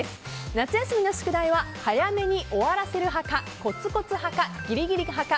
夏休みの宿題は早めに終わらせる派かコツコツ派か、ギリギリ派か